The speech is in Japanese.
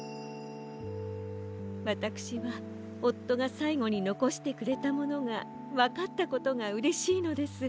わたくしはおっとがさいごにのこしてくれたものがわかったことがうれしいのです。